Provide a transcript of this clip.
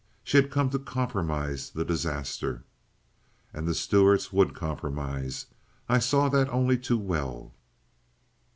She had come to compromise the disaster! And the Stuarts would compromise! I saw that only too well.